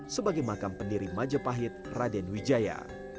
sebagai makam pendiri majapahit raden wijaya